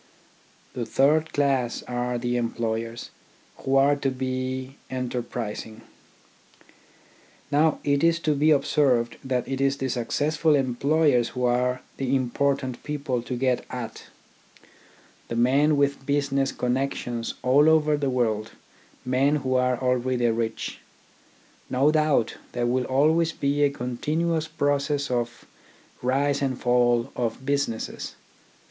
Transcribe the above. The third class are the employers, who are to be enterprising. Now it is to be observed that it is the successful employers who are the impor tant people to get at, the men with business connections all over the world, men who are already rich. No doubt there will always be a continuous process of rise and fall of businesses.